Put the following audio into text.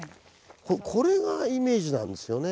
これがイメージなんですよね。